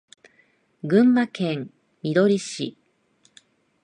群馬県みどり市